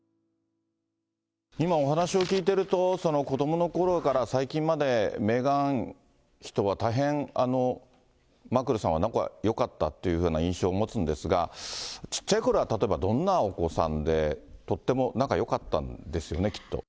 今、お話しを聞いてると、子どものころから最近まで、メーガン妃とは大変、マークルさんは仲がよかったという印象を持つんですが、ちっちゃいころは例えばどんなお子さんで、とっても仲よかったんですよね、きっと。